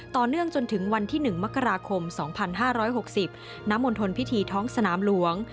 ต่อเนื่องจนถึงวันที่๑มกราคม๒๕๖๐น้ำมณฑลพิธีท้องสนามหลวง